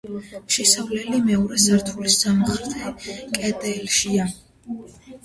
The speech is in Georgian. შესასვლელი მეორე სართულის სამხრეთ კედელშია.